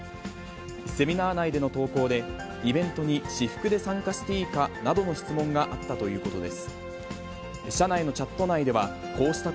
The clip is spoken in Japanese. セミナー内での投稿で、イベントに私服で参加していいかなどの質問があったということです。